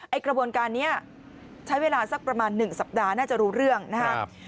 กระบวนการนี้ใช้เวลาสักประมาณ๑สัปดาห์น่าจะรู้เรื่องนะครับ